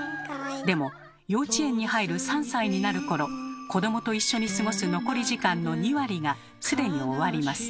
でも幼稚園に入る３歳になる頃子どもと一緒に過ごす残り時間の２割が既に終わります。